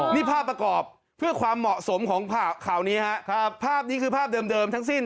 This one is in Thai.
นี่ภาพประกอบเพื่อความเหมาะสมของข่าวนี้ครับภาพนี้คือภาพเดิมทั้งสิ้น